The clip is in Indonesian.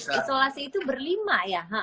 jadi di ruang isolasi itu berlima ya